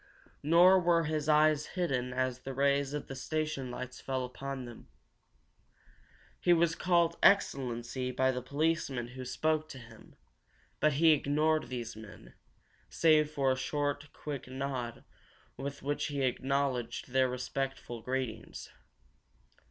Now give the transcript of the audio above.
Nor were his eyes hidden as the rays of the station lights fell upon them. He was called "Excellency" by the policemen who spoke to him, but he ignored these men, save for a short, quick nod with which he acknowledged their respectful greetings.